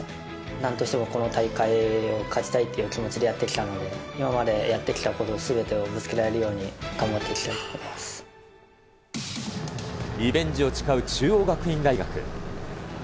なんとしてもこの大会を勝ちたいっていう気持ちでやってきたので、今までやってきたことすべてをぶつけられるように頑張っていきたリベンジを誓う中央学院大学。